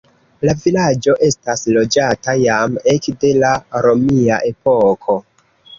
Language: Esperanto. La vilaĝo estas loĝata jam ekde la romia epoko.